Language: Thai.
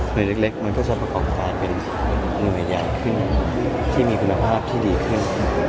โดยเล็กมันก็จะประกอบการเป็นหน่วยใหญ่ขึ้นที่มีคุณภาพที่ดีขึ้น